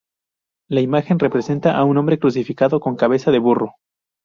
La imagen representa a un hombre crucificado con cabeza de burro.